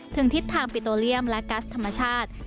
ทิศทางปิโตเลียมและกัสธรรมชาติ